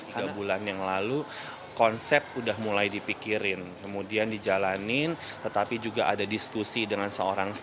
tiga bulan yang lalu konsep udah mulai dipikirin kemudian dijalanin tetapi juga ada diskusi dengan seorang